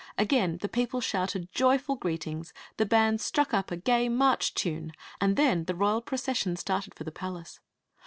Again the people shouted joyful ;^reetings; ne band struck up a g.iy march tune, and th^ i the royal procession started for the paiacc.